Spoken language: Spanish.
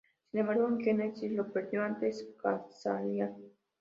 Sin embargo, en Genesis lo perdió ante Kazarian.